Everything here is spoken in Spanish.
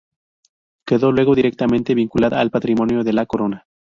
Quedó luego directamente vinculada al patrimonio de la corona.